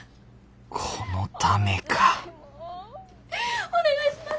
このためかお願いします。